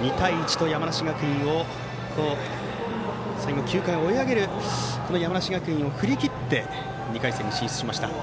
２対１と最後、９回、追い上げる山梨学院を振り切って２回戦進出しました。